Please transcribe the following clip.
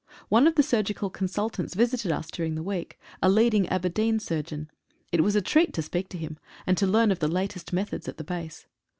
One of the surgical consultants visited us during the week — a leading Aberdeen surgeon. It was a treat to speak to him, and to learn of the latest methods at the base.